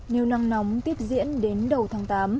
nhiều nắng nóng tiếp diễn đến đầu tháng tám